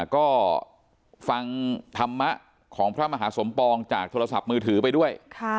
ก็ฟังธรรมะของพระมหาสมปองจากโทรศัพท์มือถือไปด้วย